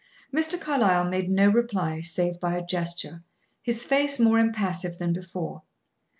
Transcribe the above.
Mr. Carlyle made no reply, save by a gesture; his face more impassive than before.